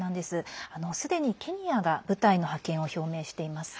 すでにケニアが部隊の派遣を表明しています。